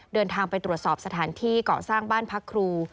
เดินทางไปตรวจสอบสถานที่เกาะสร้างบ้านพักครู